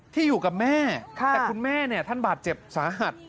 ที่อยู่กับแม่แต่คุณแม่เนี่ยท่านบาดเจ็บสาหัส